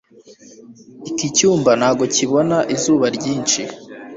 iki cyumba ntabwo kibona izuba ryinshi